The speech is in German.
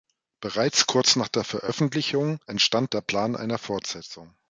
Bereits kurz nach der Veröffentlichung entstand der Plan einer Fortsetzung.